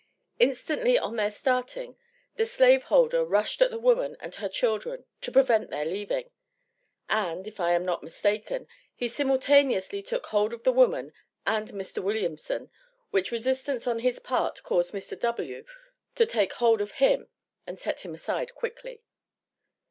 Instantly on their starting, the slave holder rushed at the woman and her children, to prevent their leaving; and, if I am not mistaken, he simultaneously took hold of the woman and Mr. Williamson, which resistance on his part caused Mr. W. to take hold of him and set him aside quickly.